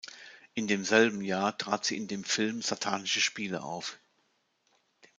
In demselben Jahr trat sie in dem Film Satanische Spiele auf.